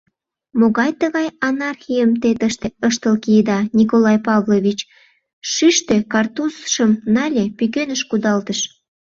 — Могай-тыгай анархийым те тыште ыштыл киеда, Николай Павлович? — шӱштӧ картузшым нале, пӱкеныш кудалтыш.